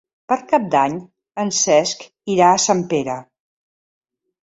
Per Cap d'Any en Cesc irà a Sempere.